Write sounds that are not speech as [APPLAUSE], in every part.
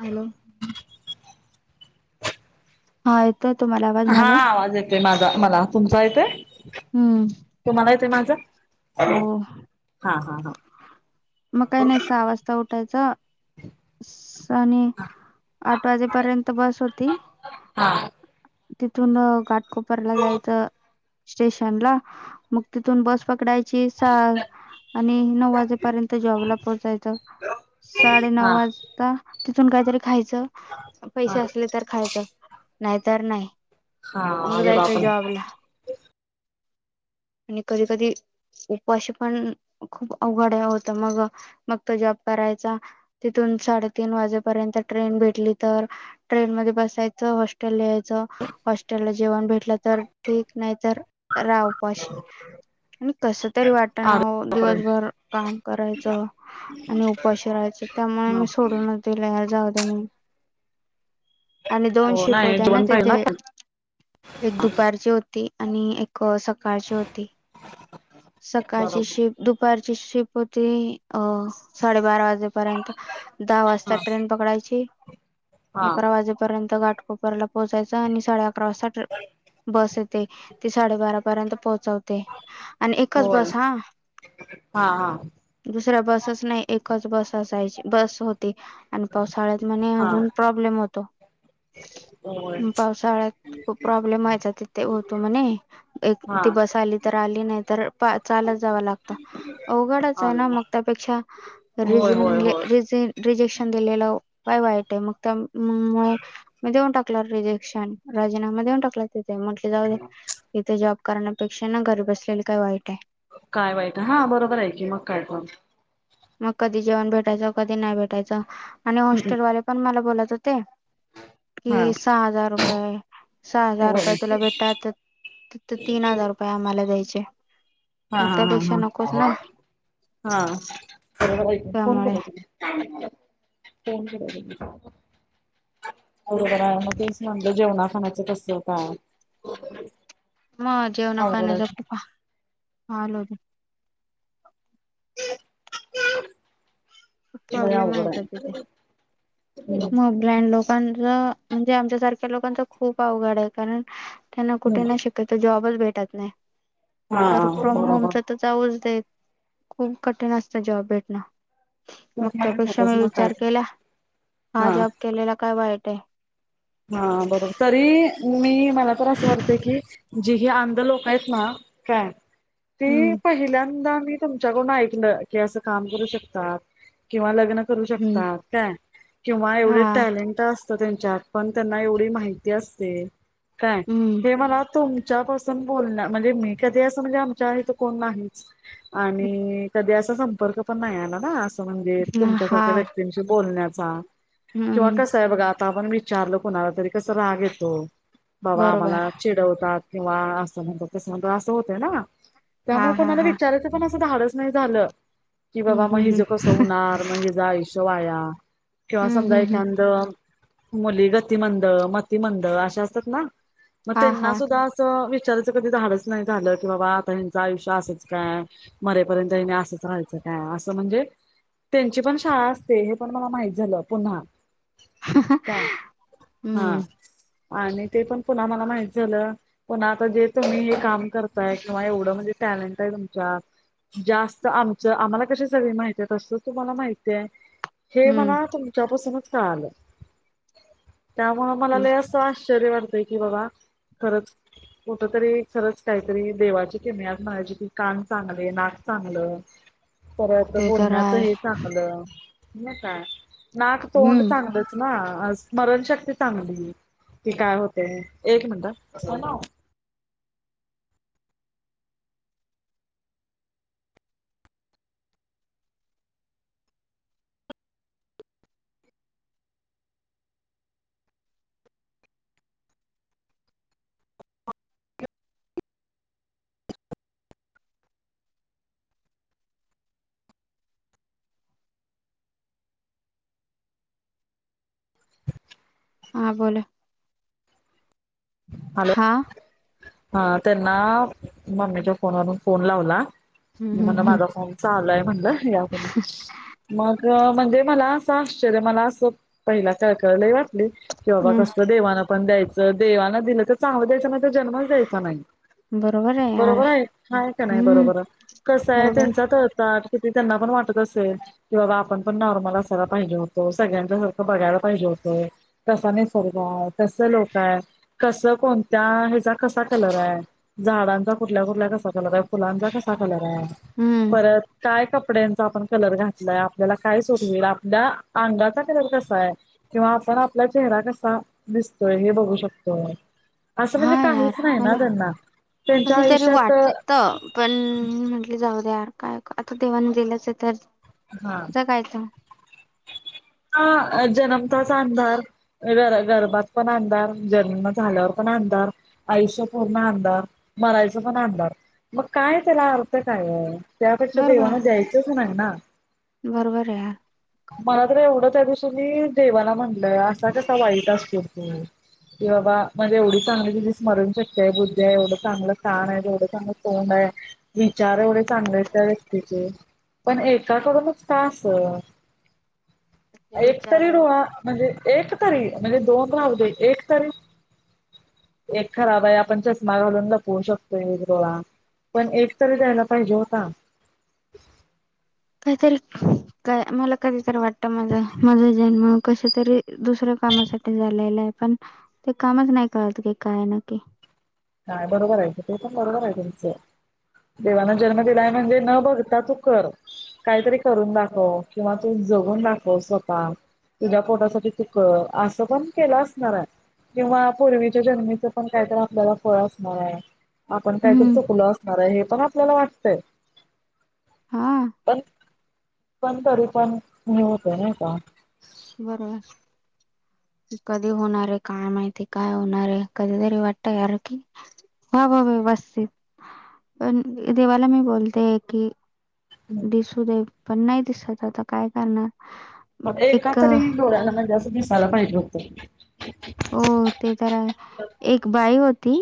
Hello हा तुम्हाला आवाज हा माझा आवाज येते माझा मला तुमचा येतेय हम्म तुम्हाला येतेय माझा अ हो हा हा हा मग काही नाही सहा वाजता उठायचा आणि आठ वाजेपर्यंत बस होती. हा तिथून घाटकोपरला जायचं स्टेशन ला मग तिथून बस पकडायची सहा आणि नऊ वाजे पर्यंत जॉबला पोहचायचं साडेनऊ हा वाजता तिथून काहीतरी खायच हा पैसे असले तर खायचं नाही तर नाही. हा मग अरे जायचं जॉबला बापरे आणि कधी कधी उपवाशी पण खूप अवघड होतं मग मग तुझ्या करायचा तिथून साडेतीन वाजेपर्यंत ट्रेन भेटली तर ट्रेनमध्ये बसायच हॉस्टेलला यायचं, हॉस्टेलला जेवण भेट ल तर ठीक नाही तर राह उपाशी आणि कस तरी वाट न अरे बापरे दिवसभर काम करायच आणि उपाश राहायचं त्यामुळे ह मी सोडून दिले जाऊ द्या म्हणून आणि दोन हो शिफ्ट नाही होत्या ना जेवण पाहिजे तिथे खाली एक दुपारची होती आणि एक सकाळची होती सकाळची बरोबर शिफ्ट दुपारची शिफ्ट परत ती अह साडेबारा वाजेपर्यंत दहा हा वाजता ट्रेन पकडायची हा अकरा वाजेपर्यंत घाटकोपरला पोहोचायचं आणि साडे अकरा वाजता बस ये ते ते साडेबारा पर्यंत पोहचवते आणि एकच होय बस हा हा हा दुसऱ्या बसच नाही, एकच बस असायची बस होती आणि पावसाळ्यात म्हणे हा अजून प्रॉब्लेम होतो होय पावसाळ्यात खूप प्रॉब्लेम व्हायचा तिथे होतो म्हणे एक हा ती बस आली तर आली नाही तर चालत जावं लागत अवघडच आहे अरे ना मग त्यापेक्षा होय रिजनिंग होय होय र रिजेक्शन दिलेल काय वाईट आहे मग त्यामुळे मी देऊन टाकला रिजेक्शन राजीनामा देऊन टाकला कु ते म्हटले जाऊ इथे जॉब करण्यापेक्षा ना घरी बसलेले काही वाईट आहे काय वाईट हा बरोबर आहे की मग काय कोण मग कधी जेवण भेटायचं कधी नाही भेटायच आणि हॉस्टेलवाले पण मला बोलत होते हा की सहा हजार रुपये सहा हजार रुपये होय तुला भेटा तर तीन हजार रुपये आम्हाला द्यायचे. हा मग हा त्यापेक्षा हा नकोच हा ना हा. [UNINTELLIGIBLE] त्यामुळे बरोबर आहे मग तेच म्हणत जेवणाखाण्याच कस काय मग जेवणा खाण्याच अवघडच. खूप हाल होते लय अवघड हाय म ब्लाइंड लोकांच म्हणजे आमच्यासारख्या लोकांच खूप अवघड आहे कारण त्यांना कुठे हम्म नाही शिकाच जॉबच भेटत नाही वर्क हा फ्रॉम बरोबर. होमचा तर जाऊच देत खूप कठीण असतं जॉब भेटणं. मग तेच म्हणलं त्यापेक्षा फोकस मी विचार नसायचा. केला हा जॉब केलेला काय वाईट आहे. हा, बरोबर तरी मी मला तर असं वाटते की जी हे अंध लोक आहेत ना हा. ती हम्म पहिल्यांदा मी तुमच्याकडून ऐकलं की असं काम करू शकतात किंवा ल ग्न करू हम्म शकात काय किंवा एवढे हा टॅलेंट असत त्यांच्यात पण त्यांना एवढी माहिती असते काय हम्म हे मला तुम च्यापासून म्हणजे मी कधी अस म्हणजे आमच्या इथे कोण नाहीच आणि कधी असा संपर्क पण नाही आला ना असं म्हणजे हा तुमच्यासारख्या व्यक्तींशी बोलण्यात चा किंवा हम्म कस आहे बघा आता आपण विचारलं कोणाला तरी कस राग येतो बाबा बरोबर आम्हाला चिडवतात किंवा असं म्हणतो तसं म्हणत असं होतं ना हा त्यामुळे हा कोणाला हा विचारायचं पण धाडच नाही झालं की हम्म बाबा मग हम्म हिजं कसं होणार मग हिजं आयुष्य वाया किंवा हम्म समजा हम्म हम्म एखांद मुली गतिमंद मतिमंद अशा असतात ना मग हा त्यांना हा सुद्धा अस विचाराच कधी धाडच नाही झालं की बाबा आता ह्यांचं आयुष्य असेच काय मरेपर्यंत ह असंच राहायचं असं म्हणजे त्यांची पण शाळा असते हे पण मला माहित झालं पुन्हा काय हा. हम्म आणि ते पण पुन्हा मला माहित झालं पुन्हा आता जे तुम्ही हे काम करताय किंवा एवढं म्हणजे [UNINTELLIGIBLE] ॅलें काय तुमच्या जास्त आमचं आम्हाला कशी सगळी माहती आहे तस तुम्हाला माहित आहे हे हम्म मला तुमच्यापासूनच का आलं त्यामुं मलाला असं आश्चर्य वाटतय की बाबा खरंच कुठ तरी खरंच काहीतरी देवाची किमयात म्हणायची की कान चांगले नाक चांगलं परच ते तर बोलण्याचं आहे हे चांगलं ना काय नाक तोंड हम्म चांगतच ना स्मरणशक्ती चांगली कि काय होते एक मिनटात हा बोला हॅलो हा हा त्यांना मम्मीच्या फोनवरून फोन लावला हम्म म म्हणलं हम्म हम्म माझा कॉम चा आलाय म्हणलं या आपण मग म्हणजे मला असं आश्चर्य मला असं पहिला काय कळलंय वाट कि बाबा हम्म कसलं देवाना पण द्यायं देवाना दिलं तर चांगलं द्याचं जन्मच द्यायचा नाही बरोबर यार बरोबर आहे काय का नाही हम्म बरोबर आहे कस आहे बरोबर त्यांचा ततात ति ते त्यांना पण वाटत असेल की बाबा आपण पण नॉर्मल असायला पाहिजे होतो सगळ्यांच्यासारखं बघायला पाहिजेत कसाने स्र्ग आहे तस लोक आहे कस कोणत्या ह्याचा कसा कलर आहे झाडांचा कुठल्या कुठल्या कसा कलर आहे फलांचा कसा कलर हम्म पर काय कड्यांचा आपण कलर घातलाय आपल्याला काय सटईल आपल्या अंगाचा कलर कसा आहे किंवा आपला चेहरा कसा दिसतोय हे बघू शकतो असं हा म्हणजे काहीच यार नाही ना मला त्यांना त्यांच्या कधीतरी आयुष्यात वाटत पण म्हंटली जाऊ द्यार काय आता देवाण गेलंच आहे तर हा जगायचं हा जन्मताच अधार गर गरभात पण अंधार जन्म झाल्यावर पण अंधार आयुष्यापूर्ण अंधार मरायचं पण आंधार मग काय त्याला अर्थ काय त्यापेक्षा बरोबर देवाना जायचंच ना ना बरोबर आहे यार मला तर एवढं त्या दिवसून मी देवाला म्हणलय असा कसा वाईट असतो तू की बाबा माझी एवढी चांगली स्मरणशक्ती आहे बुद्धी ये एवढं चांगलं कान आहे एवढं चांगलं तोंड आहे. विचार एवढे चांगले त्या व्यक्तीचे पण एकाकडूनच का अस तुझ्या एकतरी विचारावर डोळा म्हणजे एक तरी म्हणजे दोन राहुदे एक तरी एक खराब आहे आपण चष्मा घालून लपवू शकतोय एक डोळा पण एक तरी द्यायला पाहिजे होता [UNINTELLIGIBLE] का मला कधीतरी वाटतं माझा माझा जन्म कश तरी दुसऱ्या कामासाठी झालेला आहे. पण ते कामच नाही कळत की काय नक्की काय बरोबर आहे ते पण बरोबर आहे तुमचं देवाना जन्म दिलाय म्हणजे न बघता तू कर काहीतरी करून दाखव किंवा तू जगून दाखव किंवा पूर्वी असणार आहे आपण काहीतरी हम्म चुकलं असणार आहे हे पण आपल्याला वाटतय हा पण पण तरी पण नि होत नाही का बरोबर कधी होणार आहे काय माहिती काय होणार आहे कधीतरी वाटत यार की हा बाबा व्यवस्थित प देवाला मी बोलते की दिसू दे पण नाही दिसत आता काय करणार मग एका एक अ, तरी डोळ्याना म्हणजे असं दिसायला पाहिजे होतं हो ते तर आहे एक बाई ती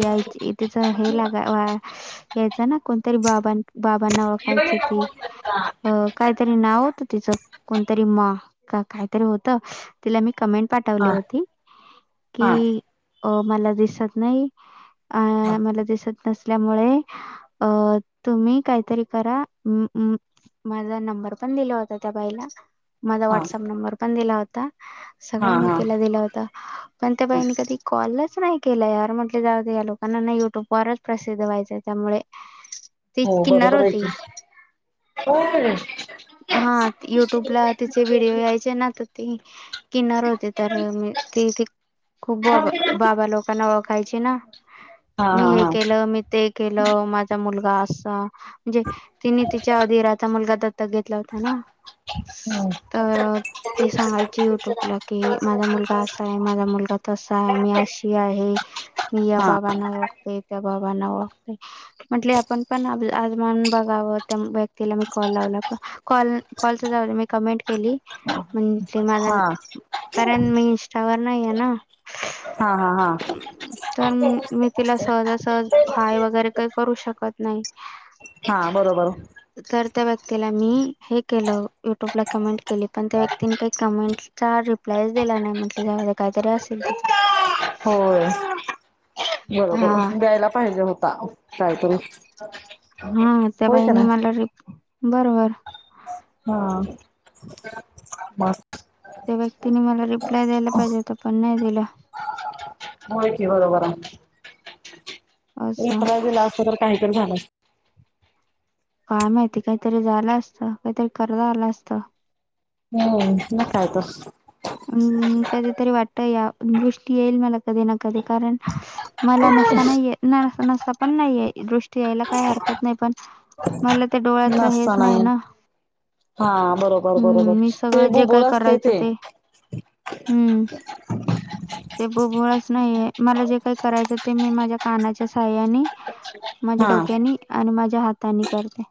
यायची तिच हे लागा यायचं ना कोणतरी बाबां बाबांना ओळखायची ती अ काहीतरी नाव तिच कोणतरी म काय तरी होत तिला मी कमेंट पाठवली हा. होती की हा अ मला हा दिसत नसल्यामुळे अ तुम्ही काहीतरी करा माझा नंबर पण दिला होता त्या बाईला माझा हा व्हॉट्सअप नंबर पण दिला होता हा सगळ मी हा. तिला दिल होत नाही केलं यार म्हटले जाऊदे या लोकांना ना युट्यूब वरच प्रसिद्ध व्हायचं त्यामुळे ती हो किन्नर बरोबर आहे की. होती होय. हा युट्युब ला तिचे व्हिडिओ यायचे ना तर ती किन्नर होती तर हा मी हा हे हा. केल मी ते केल माझा मुलगा असा म्हणजे तिने तिच्या आधी राहत हम्म. तर ते सांगायच युट्यूबला की माझा मुलगा असा आहे माझा मुलगा तसा आहे मी अशी आहे मी हा बाबाांना ओळखतो त्या बाबा म्हंटल आपण पण आजमान बघावं त्या व्यक्तीला मी कॉल लावला होता कॉल कॉल जाऊदे मी कमेंट केली म्ह ते माझ हा. कारण मी इन्स्टावर नाही आहे ना हा हा हा तर मी तिला सहजासहज हाय वगैरे काही करू शकत [UNINTELLIGIBLE] हा बरोबर तर त्या व्यक्तीला मी हे केलं युट्यूब ला कमेंट केली पण त्या व्यक्तीनी काही कमेंट चचा रिप्लायच दिला नाही म्हंटले ज काहीतरी असेल तिथं होय बरोबर हा द्यायला पाहिजे होता काहीतरी हा त्या होय का बहिणी मला नाही रि बरोबर हा बा त्या व्यक्तीने मला रिप्लाय द्यायला पाहिजे होत पण नाही दिला माहिती बरोबर असं इत्र दिला अस तर काहीतरी झालं असतं. काय माहिती काहीतरी झालं असत काहीतरी करता आलं असत हम्म ल कायतो ् कधीतरी वाटत या दृष्टी येईल मला कधी ना कधी कारण मला नसा नाहीये न नसा पण नाहीये दृ यायला काही हरकत नाही पण मला ते डोळ्यातलं हेच नाही ना हा बरोबर हम्म बरोबर मी ते सगळं जे काय बुबोळ असते करायचं ते हम्म ते उबोळाच नाहीे मला जे काही करायचं ते मी माझ्या कानाच्या साह्यानी माझ्या हा डोक्यानी आणि माझ्या हातानी करते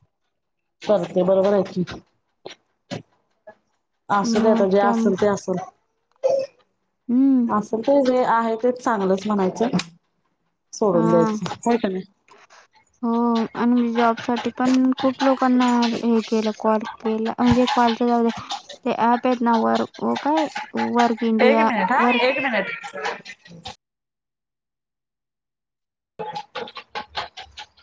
करते बरोबर आहे क मग असलता जे त्या असल ते असेल हम्म असल तर जे आहे तेच चांगलंच म्हणायचं ना हा हो आणि मे जॉब साठी पण खूप लोकांना हे केलं कॉल केला म्हणजे कॉल जाऊ ते ऍप ना वर को काय वर्क एक इंडिया मिनिट हा एक वर्क मिनिट [INAUDIBLE]